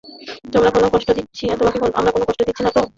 আমরা কোনো কষ্ট দিচ্ছি না তো?